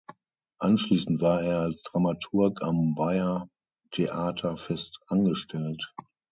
Anschließend war er als Dramaturg am Weyher Theater fest angestellt.